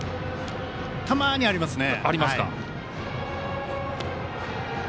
たまにありますね。